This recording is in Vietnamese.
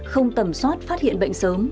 không tầm soát phát hiện bệnh sớm